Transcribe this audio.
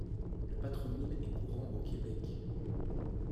Le patronyme est courant au Québec.